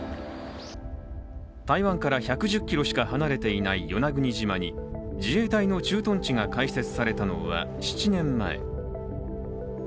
台湾から１１０ｋｍしか離れていない与那国島に、自衛隊の駐屯地が開設されたのは７年前。